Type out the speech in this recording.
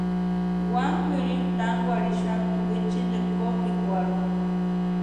Wani kwʼiripu tánkwarhitixapti witsintikwa kopikwarhu.